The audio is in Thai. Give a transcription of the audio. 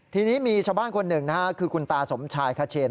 ทีนี้มีชาวบ้านคนหนึ่งนะฮะคือคุณตาสมชายขเชน